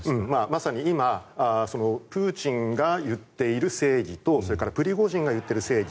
まさに、今プーチンが言っている正義とそれからプリゴジンが言っている正義